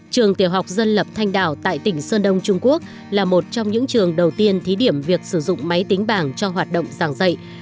trường tiểu học dân lập thanh đảo tại tỉnh sơn đông trung quốc là một trong những trường đầu tiên thí điểm việc sử dụng máy tính bảng cho hoạt động giảng dạy